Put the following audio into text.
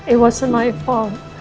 itu bukan salahku